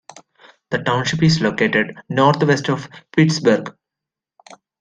The township is located northwest of Pittsburgh.